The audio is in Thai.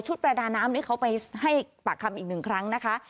ประดาน้ำนี่เขาไปให้ปากคำอีกหนึ่งครั้งนะคะ